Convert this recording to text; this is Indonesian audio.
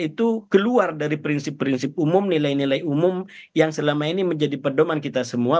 itu keluar dari prinsip prinsip umum nilai nilai umum yang selama ini menjadi pedoman kita semua